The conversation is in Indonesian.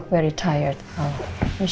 kamu terlihat sangat penat kamu yakin